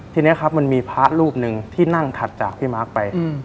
ทีนี้ครับมันมีพระรูปหนึ่งที่นั่งถัดจากพี่มาร์คไป